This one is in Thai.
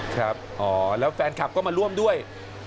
ครับอ๋อแล้วแฟนคลับก็มาร่วมด้วย